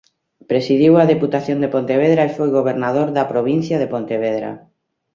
Presidiu a Deputación de Pontevedra e foi gobernador da provincia de Pontevedra.